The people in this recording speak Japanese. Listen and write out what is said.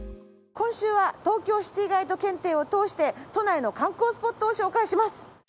今週は東京シティガイド検定を通して都内の観光スポットを紹介します。